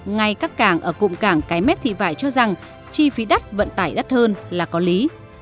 ngay các cảng ở cụm cảng cái mép thị vải cho rằng chi phí đắt vận tải đắt hơn là có lý